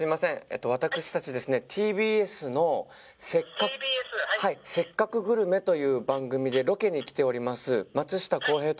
えっと私たちですねＴＢＳのはい「せっかくグルメ」という番組でロケに来ております